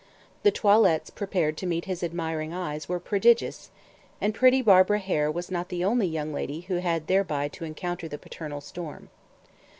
The toilettes prepared to meet his admiring eyes were prodigious and pretty Barbara Hare was not the only young lady who had thereby to encounter the paternal storm.